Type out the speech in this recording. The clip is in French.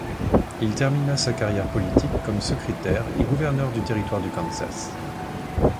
Il termina sa carrière politique comme secrétaire et gouverneur du territoire du Kansas.